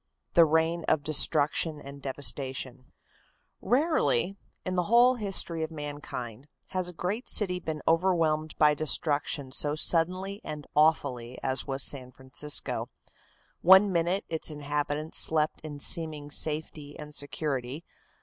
The Reign of Destruction and Devastation Rarely, in the whole history of mankind, has a great city been overwhelmed by destruction so suddenly and awfully as was San Francisco. One minute its inhabitants slept in seeming safety and security.